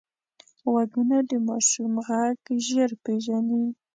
غوږونه د ماشوم غږ ژر پېژني